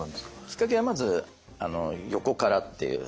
きっかけはまず横からっていう。